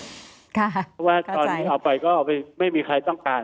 เพราะว่าตอนที่เอาไปก็ไม่มีใครต้องการ